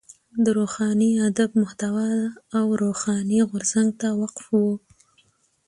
د روښاني ادب محتوا و روښاني غورځنګ ته وقف وه.